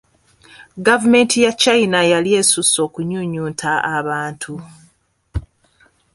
Gavumenti ya China yali esusse okunyuunyunta abantu.